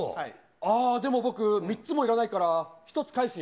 ああ、でも僕、３つもいらないから、１つ返すよ。